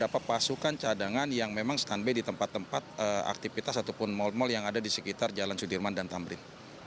pasukan cadangan yang memang standby di tempat tempat aktivitas ataupun mal mal yang ada di sekitar jalan sudirman dan tamrin